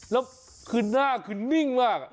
แล้วคือหน้าคือนิ่งมาก